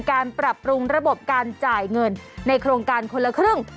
การปรับปรุงระบบการจ่ายเงินในโครงการคนละครึ่ง